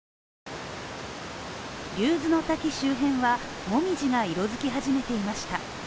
竜頭の滝周辺は紅葉も色づき始めていました。